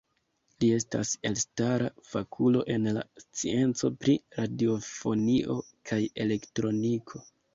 Li estas elstara fakulo en la scienco pri radiofonio kaj elektroniko.